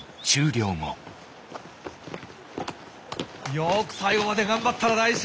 よく最後まで頑張ったな大志！